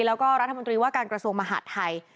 แล้วก็รัฐมนตรีว่าการกระทรวงมหาดไทย